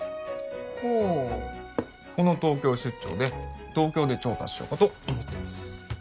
ほうこの東京出張で東京で調達しようかと思ってます